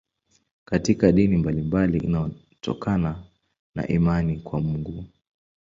Katika dini mbalimbali inatokana na imani kwa Mungu.